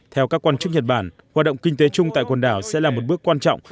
theo các quan chức nhật bản hoạt động kinh tế chung tại quần đảo sẽ là một bước quan trọng